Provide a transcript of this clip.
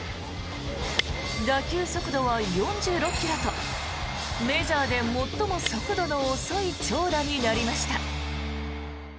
打球速度は４６ｋｍとメジャーで最も速度の遅い長打になりました。